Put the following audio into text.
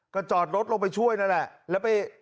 ก็จอดรถลงไปช่วยนั่นแหละ